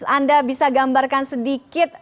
anda bisa gambarkan sedikit